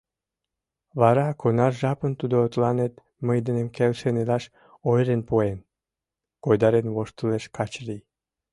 — Вара кунар жапым тудо тыланет мый денем келшен илаш ойырен пуэн? — койдарен воштылеш Качырий.